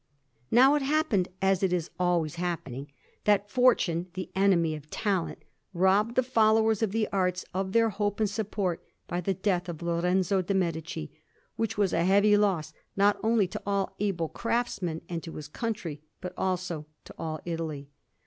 Now it happened, as it is always happening, that Fortune, the enemy of talent, robbed the followers of the arts of their hope and support by the death of Lorenzo de' Medici, which was a heavy loss not only to all able craftsmen and to his country, but also to all Italy.